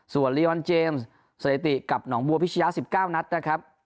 ส่วนลีวันเจมส์สถิติกับหนองบัวพิชยะ๑๙นัดนะครับ